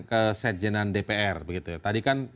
kesajenan dpr tadi kan